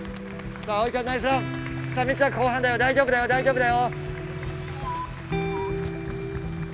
さあみっちゃん後半だよ大丈夫だよ大丈夫だよ。